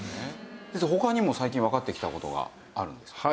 先生他にも最近わかってきた事があるんですってね？